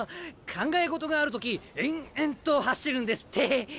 考え事がある時延々と走るんですって。